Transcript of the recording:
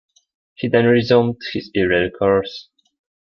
He then resumed his earlier course.